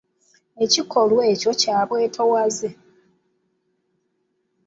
Ekikolwa ekyo kya bwetoowaze.